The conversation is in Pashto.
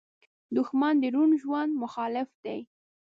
دښمن د روڼ ژوند مخالف دی